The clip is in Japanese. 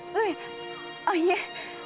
上あいえ。